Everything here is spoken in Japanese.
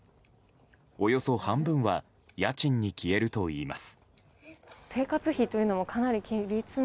およそ半分は家賃に消えるといいます。